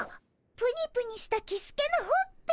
ぷにぷにしたキスケのほっぺ。